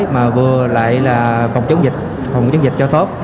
mà vừa lại là phòng chống dịch phòng chống dịch cho tốt